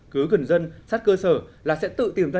cứ gần dân sát cơ sở là sẽ tự tìm ra